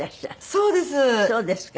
そうですか。